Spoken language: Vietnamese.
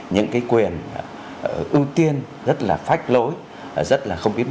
những cái quyền ưu tiên rất là phách lối rất là không biết